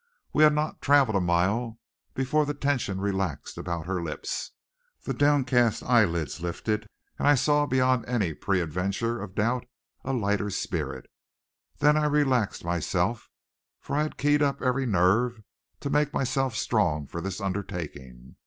We had not traveled a mile before the tension relaxed about her lips, the downcast eyelids lifted, and I saw, beyond any peradventure of doubt, a lighter spirit. Then I relaxed myself, for I had keyed up every nerve to make myself strong for this undertaking.